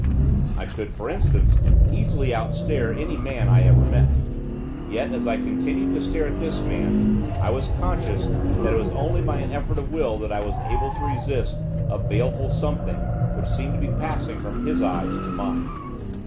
I could, for instance, easily outstare any man I ever met. Yet, as I continued to stare at this man, I was conscious that it was only by an effort of will that I was able to resist a baleful something which seemed to be passing from his eyes to mine.